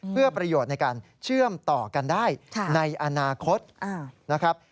เพื่อประโยชน์ในการเชื่อมต่อกันได้ในอนาคตนะครับ